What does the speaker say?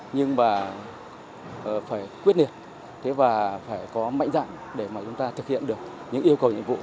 nhưng mà phải quyết niệm và phải có mạnh dạng để chúng ta thực hiện được những yêu cầu nhiệm vụ